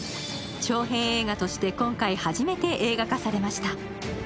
長編映画として今回初めて映画化されました。